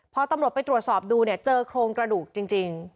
พอตำรวจไปตรวจสอบดูเนี่ยเจอโครงกระดูกจริง